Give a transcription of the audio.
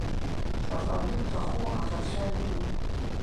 Шаҟаҩ уҭаху аӷацәа имоуп.